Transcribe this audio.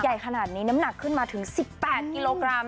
ใหญ่ขนาดนี้น้ำหนักขึ้นมาถึง๑๘กิโลกรัม